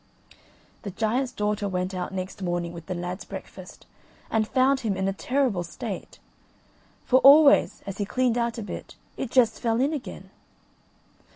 The giant's daughter went out next morning with the lad's breakfast, and found him in a terrible state, for always as he cleaned out a bit, it just fell in again.